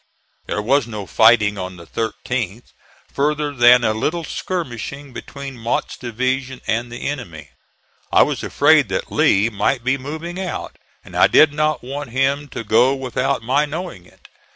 There was no fighting on the 13th, further than a little skirmishing between Mott's division and the enemy. I was afraid that Lee might be moving out, and I did not want him to go without my knowing it.